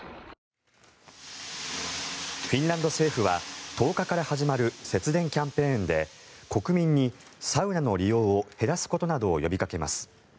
フィンランド政府は１０日から始まる節電キャンペーンで国民にサウナの利用を減らすことなどを呼びかけます。